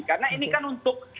karena ini kan untuk